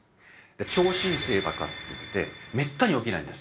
超新星爆発っていっててめったに起きないんです。